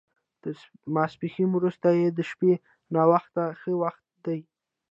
تر ماسپښین وروسته یا د شپې ناوخته ښه وخت دی.